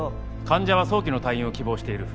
患者は早期の退院を希望している。